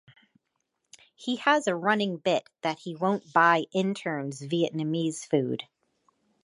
He has a running bit that he won't buy interns Vietnamese food.